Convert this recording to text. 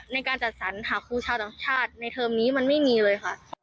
ในการจัดสรรหาครูชาวต่างชาติในเทอมนี้มันไม่มีเลยค่ะ